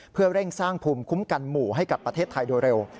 เพื่อเร่งสร้างภูมิคุ้มกันหมู่ให้กับประเทศไทยโดยเร็ว